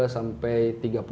dua puluh dua sampai tiga puluh